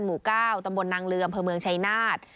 หมู่ก้าวตำบลนางเรือมเผอร์เมืองชายนาฏ